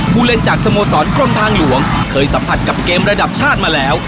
ผู้เล่นจากสโมสรกรมทางหลวงเคยสัมผัสกับเกมระดับชาติมาแล้ว